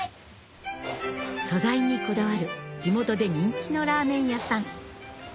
素材にこだわる地元で人気のラーメン屋さん